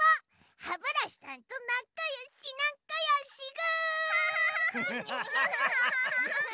ハブラシさんとなかよしなかよしぐ！